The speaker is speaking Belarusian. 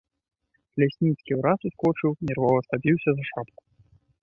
Лясніцкі ўраз ускочыў, нервова схапіўся за шапку.